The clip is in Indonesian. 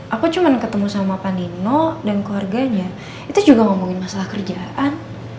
aku cuman ketemu sama pandino dan keluarganya itu juga ngomongin masalah kerjaan